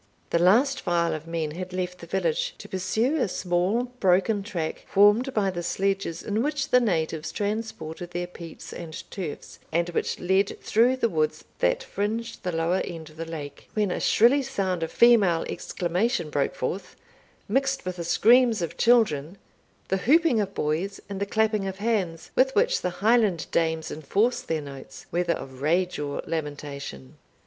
The last file of men had left the village, to pursue a small broken track, formed by the sledges in which the natives transported their peats and turfs, and which led through the woods that fringed the lower end of the lake, when a shrilly sound of female exclamation broke forth, mixed with the screams of children, the whooping of boys, and the clapping of hands, with which the Highland dames enforce their notes, whether of rage or lamentation.